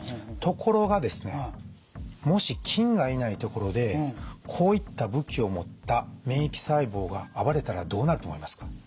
ところがですねもし菌がいない所でこういった武器を持った免疫細胞が暴れたらどうなると思いますか？